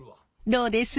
どうです？